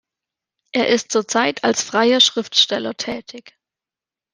Er ist zurzeit als freier Schriftsteller tätig.